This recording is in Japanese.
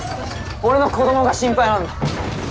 俺の子どもが心配なんだ。